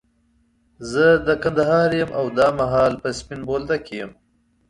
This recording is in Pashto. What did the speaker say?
زه د کندهار يم، او دا مهال په سپين بولدک کي يم.